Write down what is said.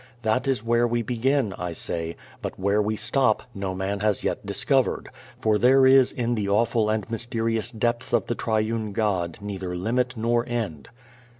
That is where we begin, I say, but where we stop no man has yet discovered, for there is in the awful and mysterious depths of the Triune God neither limit nor end.